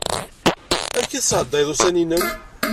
Amek i tesɛeddayeḍ ussan-im?